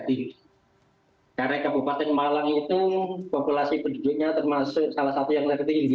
tinggi karena kabupaten malang itu populasi penduduknya termasuk salah satu yang lebih tinggi